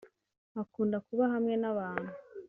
Akunda kuba hamwe n’abantu